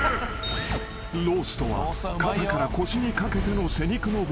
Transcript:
［ロースとは肩から腰にかけての背肉の部分］